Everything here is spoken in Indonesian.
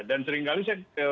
dan seringkali saya ketik